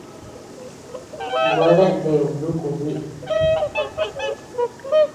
Gua dea neu nuku biʼi.